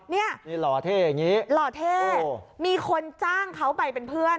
เนี่ยนี่หล่อเท่อย่างนี้หล่อเท่มีคนจ้างเขาไปเป็นเพื่อน